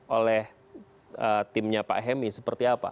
oleh timnya pak hemi seperti apa